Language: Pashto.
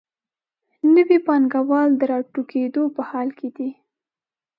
نوي پانګوال د راټوکېدو په حال کې دي.